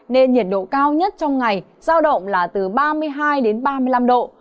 nên nhiệt độ cao nhất trong ngày giao động là từ ba mươi hai đến ba mươi năm độ